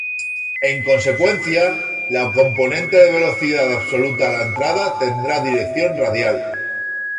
En consecuencia, la componente de velocidad absoluta a la entrada tendrá dirección radial.